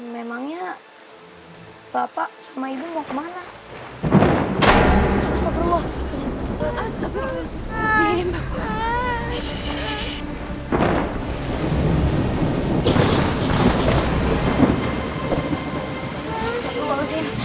memangnya bapak sama ibu mau kemana